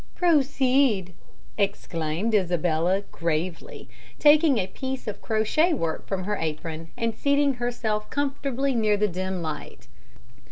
"Proceed," exclaimed Isabella, gravely, taking a piece of crochet work from her apron and seating herself comfortably near the dim light.